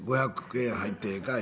「５００円入ってええか？」